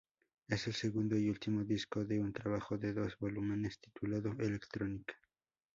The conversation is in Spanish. Es el segundo y último disco de un trabajo de dos volúmenes titulado "Electronica".